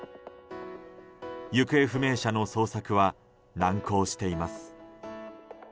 行方不明者の捜索は難航しています。